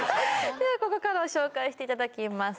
ではここからご紹介していただきます